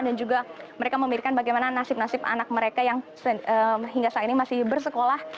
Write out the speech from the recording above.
dan juga mereka memiliki bagaimana nasib nasib anak mereka yang hingga saat ini masih bersekolah